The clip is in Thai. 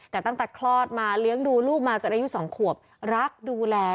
แต่ตั้งแต่คลอดมาเลี้ยงดูลูกมาจนอายุ๒ขวบรักดูแล